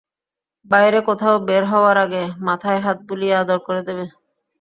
বাইরে কোথাও বের হওয়ার আগে মাথায় হাত বুলিয়ে আদর করে দেবে।